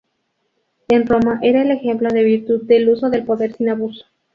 En Roma era el ejemplo de virtud del uso del poder sin abuso.